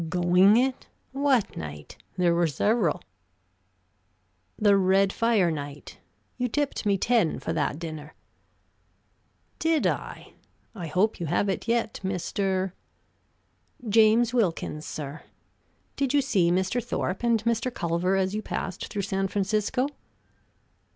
"Going it? What night? There were several." "The red fire night. You tipped me ten for that dinner." "Did I? I hope you have it yet, Mr. " "James Wilkins, sir. Did you see Mr. Thorpe and Mr. Culver as you passed through San Francisco?"